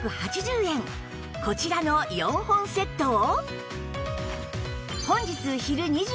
こちらの４本セットを